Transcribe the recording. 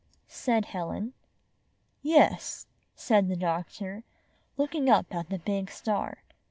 said Helen. "Yes," said the doctor, looking up at the big star.